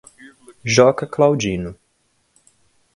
Joca Claudino